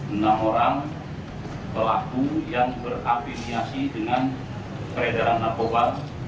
enam orang pelaku yang berafiliasi dengan peredaran narkoba